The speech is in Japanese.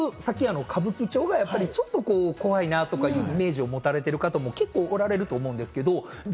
新宿、さっき歌舞伎町がやっぱりちょっと怖いなとかいうイメージを持たれてる方も結構おられると思うんですけど。